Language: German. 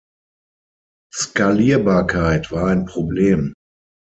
Skalierbarkeit war ein Problem.